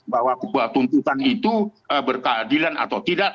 bahwa tuntutan itu berkeadilan atau tidak